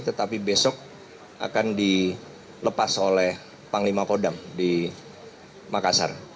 tetapi besok akan dilepas oleh panglima kodam di makassar